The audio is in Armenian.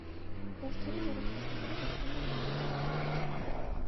Որդերի որոշ տեսակներ ապրում են հողում։